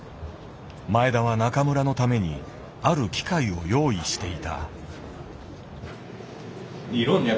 前田は中村のためにある機会を用意していた。